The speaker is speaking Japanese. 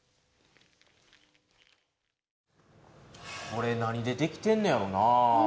これ何でできてんのやろうな？